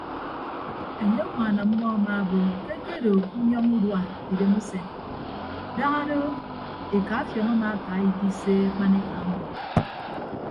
Enye ñwaan ọmmọ amaabo ke akedo ke unyọñọ udua edem usen daña do eka afiọñ amaaka ikise akpaneka ọmọ.